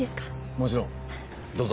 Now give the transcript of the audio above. もちろんどうぞ。